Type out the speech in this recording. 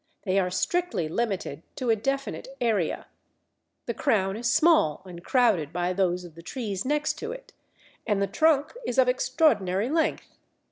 They are strictly limited to a definite area; the crown is small and crowded by those of the trees next to it, and the trunk is of extraordinary length."